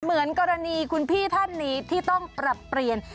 เหมือนกรณีคุณพี่ท่านนี้ที่ต้องปรับเปลี่ยน